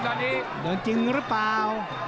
ก็จึงเหรอเปล่า